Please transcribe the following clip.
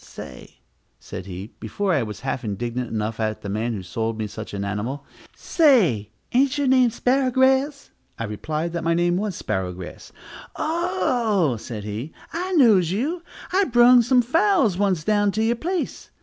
Say," said he, before I was half indignant enough at the man who had sold me such an animal, "say, ain't your name Sparrowgrass?" I replied that my name was Sparrowgrass. "Oh," said he, "I knows you, I brung some fowls once down to you place.